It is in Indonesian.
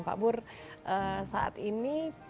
pak bur saat ini